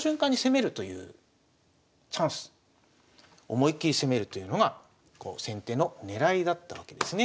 思いっ切り攻めるというのが先手の狙いだったわけですね。